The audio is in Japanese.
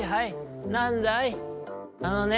あのね